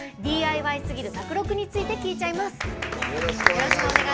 ＤＩＹすぎる宅録について聞いちゃいます。